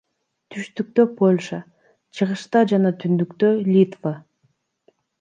Түштүктө — Польша, чыгышта жана түндүктө — Литва.